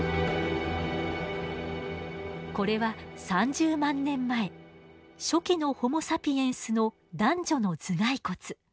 これは３０万年前初期のホモサピエンスの男女の頭蓋骨。